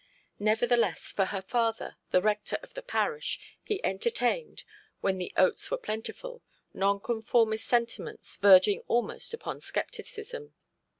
Nevertheless, for her father, the rector of the parish, he entertained, when the oats were plentiful, nonconformist sentiments, verging almost upon scepticism.